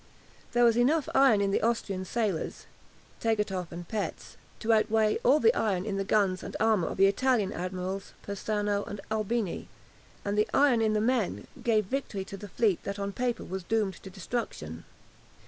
There was iron enough in the Austrian sailors, Tegethoff and Petz, to outweigh all the iron in the guns and armour of the Italian admirals, Persano and Albini, and the "iron in the men" gave victory to the fleet that on paper was doomed to destruction.